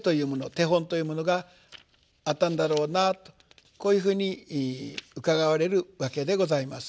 手本というものがあったんだろうなとこういうふうにうかがわれるわけでございます。